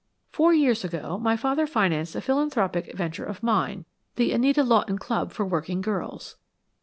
Four years ago, my father financed a philanthropic venture of mine, the Anita Lawton Club for Working Girls.